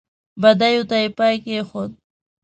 بدیو ته یې پای کېښود.